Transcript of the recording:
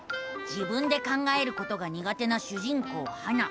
自分で考えることがにが手な主人公ハナ。